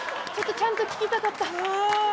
ちょっとちゃんと聞きたかった。